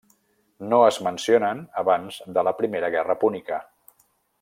No es mencionen abans de la Primera Guerra Púnica.